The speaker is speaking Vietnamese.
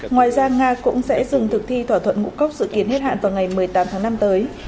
ngoài ra nga cũng sẽ dừng thực thi thỏa thuận ngũ cốc dự kiến hết hạn vào ngày một mươi tám tháng năm tới